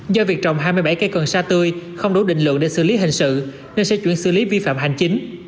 do việc trồng hai mươi bảy cây cần sa tươi không đủ định lượng để xử lý hình sự nên sẽ chuyển xử lý vi phạm hành chính